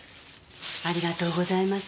ありがとうございます。